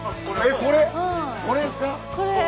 これですか？